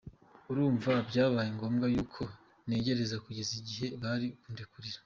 Urumva byabaye ngombwa y’uko negereza kugeza igihe bari bundekurire.